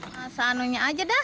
nah seandainya aja dah